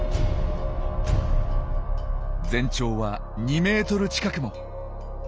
全長は２ｍ近くも！